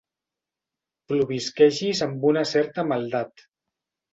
Plovisquegis amb una certa maldat.